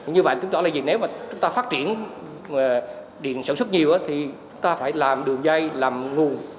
như vậy tức là nếu mà chúng ta phát triển điện sản xuất nhiều thì chúng ta phải làm đường dây làm nguồn